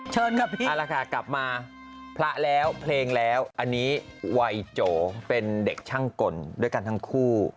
เชิญกับพี่อันนี้วัยโจเป็นเด็กช่างกลด้วยกันทั้งคู่